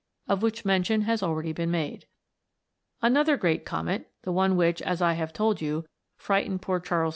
of which mention has already been made. Another great Comet the one which, as I have told you, frightened poor Charles V.